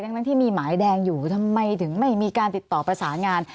ทั้งที่มีหมายแดงอยู่ทำไมถึงไม่มีการติดต่อประสานงาน